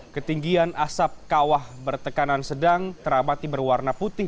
ketinggian asap kawah bertekanan sedang teramati berwarna putih